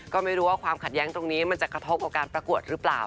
ก็ไม่รู้ว่าความขัดแย้งตรงนี้มันจะกระทบกับการประกวดหรือเปล่า